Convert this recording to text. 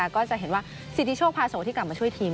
ก็จะเห็นว่าสิทธิโชคพาโสที่กลับมาช่วยทีม